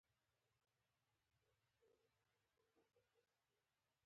افغانستان د بادي انرژي د پلوه ځانته ځانګړتیا لري.